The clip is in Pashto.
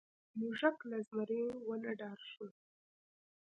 موږک له زمري ونه ډار شو.